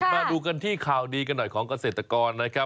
มาดูกันที่ข่าวดีกันหน่อยของเกษตรกรนะครับ